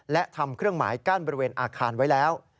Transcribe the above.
และทำเครื่องหมายกั้นบริเวณอาคารไว้แล้ว